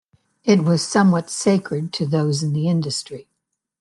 It was somewhat sacred to those in the industry.